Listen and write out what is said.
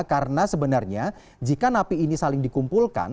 karena sebenarnya jika napi ini saling dikumpulkan